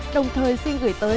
đồng thời xin gửi tới